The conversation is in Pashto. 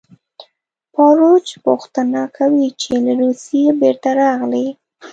باروچ پوښتنه کوي چې له روسیې بېرته راغلې